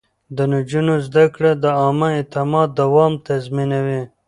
د نجونو زده کړه د عامه اعتماد دوام تضمينوي.